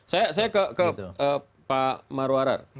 saya ke pak marwarar